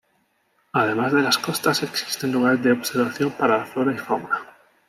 Además de las costas existen lugares de observación para la flora y fauna.